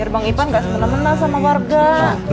bang ipan gak semena mena sama warga